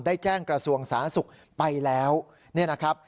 แจ้งกระทรวงสาธารณสุขไปแล้วเนี่ยนะครับ